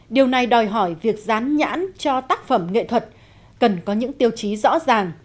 điều này đòi hỏi việc dán nhãn cho tác phẩm nghệ thuật cần có những tiêu chí rõ ràng